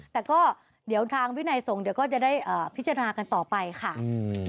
แต่ก็เดี๋ยวทางวินัยส่งเดี๋ยวก็จะได้พิจารณากันต่อไปค่ะอืม